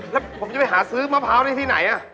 แล้วผมจะไปหาซื้อมะพร้าวได้ที่ไหน